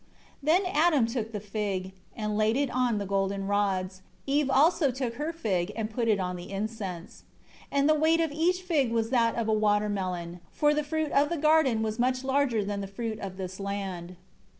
1 Then Adam took the fig, and laid it on the golden rods. Eve also took her fig, and put it on the incense. 2 And the weight of each fig was that of a water melon; for the fruit of the garden was much larger than the fruit of this land*.